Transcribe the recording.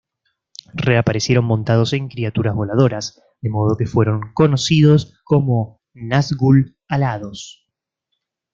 Reaparecieron montados en criaturas voladoras, de modo que fueron conocidos como "Nazgûl alados".